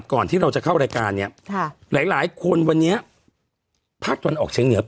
ก่อนที่เราจะเข้ารายการหลายคนวันนี้พักวันออกเชียงเหนือ